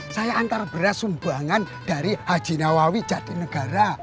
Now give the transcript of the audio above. saya antar beras sumbangan dari haji nawawi jatinegara